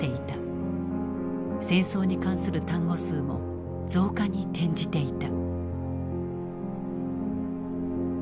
戦争に関する単語数も増加に転じていた。